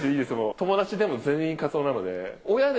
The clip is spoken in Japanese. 友達でも全員カツオなので。